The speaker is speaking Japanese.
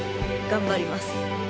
頑張ります。